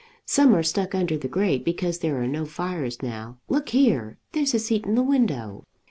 Some are stuck under the grate because there are no fires now. Look here; there's a seat in the window."